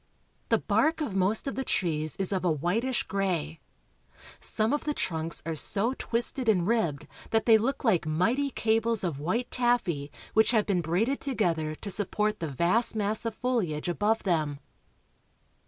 The bark of most of the trees is of a whitislj gray. Some of the trunks are so twisted and ribbed that they look like mighty cables of white taffy which have been braided together to support the vast mass of foliage above them.